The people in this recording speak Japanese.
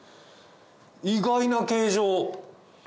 意外な形状！